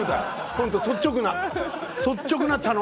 ホント率直な。